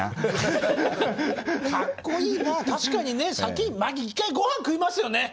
確かに先１回ごはん食いますよね。